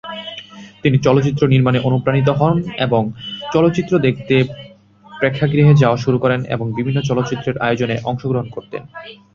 তিনি চলচ্চিত্র নির্মাণে অনুপ্রাণিত হন এবং চলচ্চিত্র দেখতে প্রেক্ষাগৃহে যাওয়া শুরু করেন এবং বিভিন্ন চলচ্চিত্রের আয়োজনে অংশগ্রহণ করতেন।